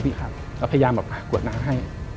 มันพยายามแบบหากรวดน้ำให้